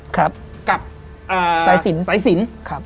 กับใส่สิน